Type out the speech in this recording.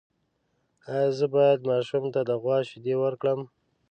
ایا زه باید ماشوم ته د غوا شیدې ورکړم؟